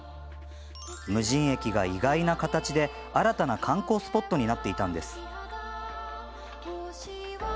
無人駅が意外な形で新たな観光スポットになっていたんです。